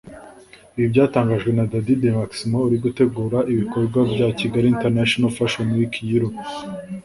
Ibi byatangajwe na Daddy de Maximo uri gutegura ibikorwa bya Kigali International Fashion Week Europe